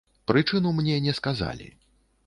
Прычыну мне не сказалі.